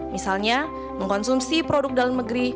misalnya mengkonsumsi produk dalam negeri